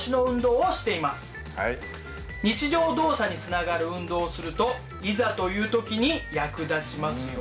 日常動作につながる運動をするといざという時に役立ちますよ。